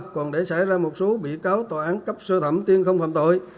còn để xảy ra một số bị cáo tòa án cấp sơ thẩm tiên không phạm tội